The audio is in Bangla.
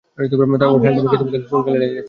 আর, হ্যারল্ডের মুখে তো ইতোমধ্যেই চুনকালি লেগে গেছে।